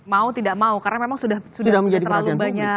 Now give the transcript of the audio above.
mau tidak mau karena memang sudah terlalu banyak